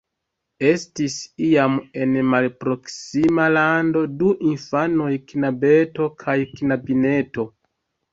Estis iam en malproksima lando du infanoj, knabeto kaj knabineto.